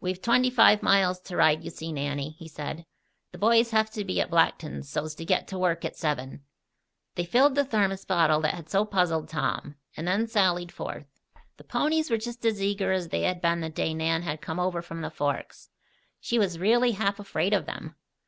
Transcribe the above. "We've twenty five miles to ride, you see, Nannie," he said. "The boys have to be at Blackton's so's to get to work at seven." They filled the thermos bottle that had so puzzled Tom, and then sallied forth. The ponies were just as eager as they had been the day Nan had come over from the Forks. She was really half afraid of them.